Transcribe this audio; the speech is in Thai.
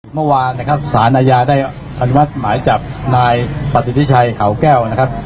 เมื่อวานนะครับสารอาญาได้อนุมัติหมายจับนายปฏิพิชัยเขาแก้วนะครับ